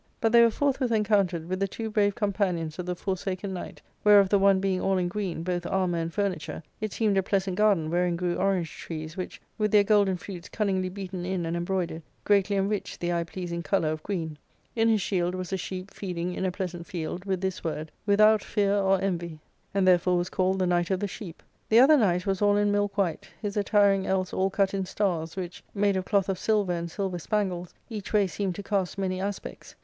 But they were forth with encountered with the two brave companions of the For saken Knight, whereof the one being all in green, both armour and furniture, it seemed a pleasant gardefi wherein grew orange trees, which, with their golden fruits cunningly beaten in and embroidered, greatly enriched the eye pleasing colour of green. In his shield was a sheep feeding in a pleasant field, with this word, " Without fear or envy ;" and therefore ARCADIA,— Book III, 333 was called the Knight of the Sheep. The other knight was all in milk white, his attiring else all cut in stars, which, made of cloth of silver and silver spangles, each way seemed to cast many aspects.